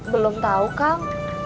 belum tahu kang